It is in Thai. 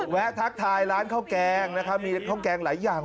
แวะทักทายร้านข้าวแกงนะครับมีข้าวแกงหลายอย่าง